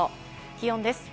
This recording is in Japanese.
気温です。